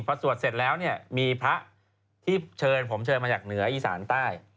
พอสวดเสร็จแล้วเนี่ยมีพระที่เชิญผมเชิญมาจากเหนืออีสานใต้